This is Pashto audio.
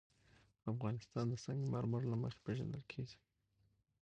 افغانستان د سنگ مرمر له مخې پېژندل کېږي.